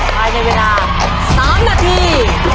ภายในเวลา๓นาที